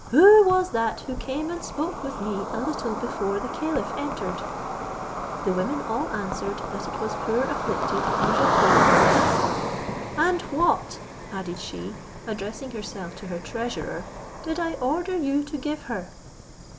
Who was that who came and spoke with me a little before the caliph entered?" The women all answered that it was poor afflicted Nouzhatoul aouadat. "And what," added she, addressing herself to her treasurer, "did I order you to give her?"